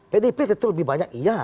pdip tentu lebih banyak iya